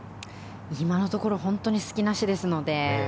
今のところ本当に隙なしですので。